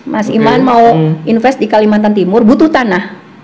mas iman mau invest di kalimantan timur butuh tanah